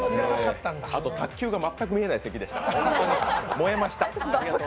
あと卓球が全く見えない席でした、燃えました。